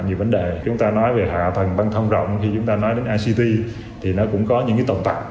nhiều vấn đề chúng ta nói về hạ tầng băng thông rộng khi chúng ta nói đến ict thì nó cũng có những tồn tại